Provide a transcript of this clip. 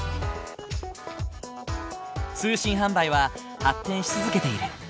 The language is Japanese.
通信販売は発展し続けている。